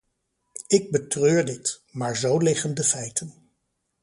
Ik betreur dit, maar zo liggen de feiten.